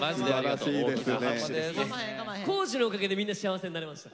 康二のおかげでみんな幸せになれました。